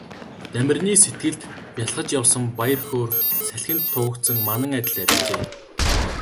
Дамираны сэтгэлд бялхаж явсан баяр хөөр салхинд туугдсан манан адил арилжээ.